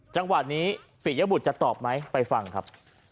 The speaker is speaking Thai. จังหวะนี้ปียบุตรจะตอบไหมไปฟังครับ